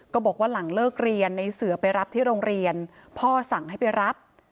บอกว่าหลังเลิกเรียนในเสือไปรับที่โรงเรียนพ่อสั่งให้ไปรับ